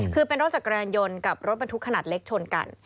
คือเป็นรถจักรยานยนต์กับรถบรรทุกขนาดเล็กชนกัน